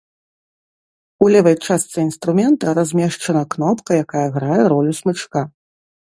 У левай частцы інструмента размешчана кнопка, якая грае ролю смычка.